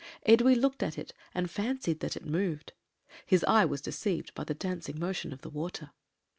Edwy looked at it and fancied that it moved; his eye was deceived by the dancing motion of the water.